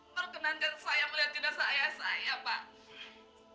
perkenankan saya melihat jenazah ayah saya pak